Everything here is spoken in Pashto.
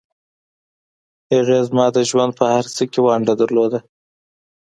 هغې زما د ژوند په هرڅه کې ونډه لرله